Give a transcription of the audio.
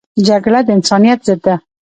جګړه د انسانیت ضد ده